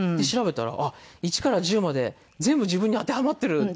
調べたら一から十まで全部自分に当てはまってる！